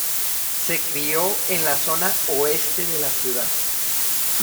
Se crio en la zona oeste de la ciudad.